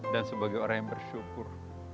dan sebagai orang yang bersyukur